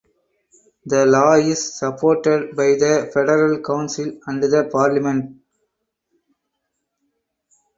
The law is supported by the Federal Council and the Parliament.